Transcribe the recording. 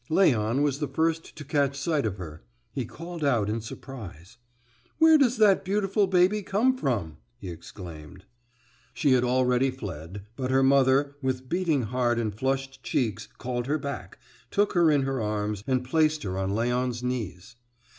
Léon was the first to catch sight of her. He called out in surprise. "Where does that beautiful baby come from?" he exclaimed. She had already fled, but her mother, with beating heart and flushed cheeks, called her back, took her in her arms, and placed her on Léon's knees.